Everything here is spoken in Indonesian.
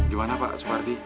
gimana pak separdi